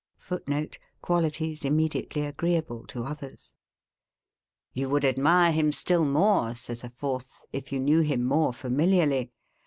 [Footnote: Qualities immediately agreeable to others,] You would admire him still more, says a fourth, if you knew him more familiarly.